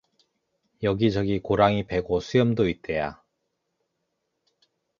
여기저기 고랑이 패고 수염도 있대야